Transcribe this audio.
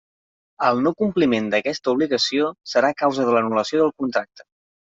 El no-compliment d'aquesta obligació serà causa de l'anul·lació del contracte.